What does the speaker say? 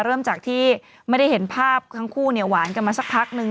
เริ่มจากที่ไม่ได้เห็นภาพทั้งคู่เนี่ยหวานกันมาสักพักนึง